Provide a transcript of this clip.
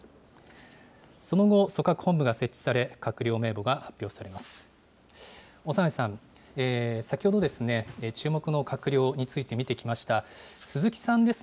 その後、組閣本部が設置され、閣僚名簿が発表されます。